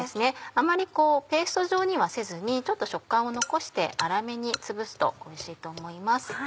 あんまりこうペースト状にはせずにちょっと食感を残して粗めにつぶすとおいしいと思います。